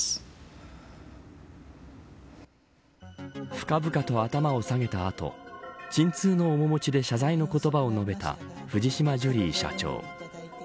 深々と頭を下げた後沈痛の面もちで謝罪の言葉を述べた藤島ジュリー社長。